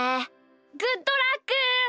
グッドラック！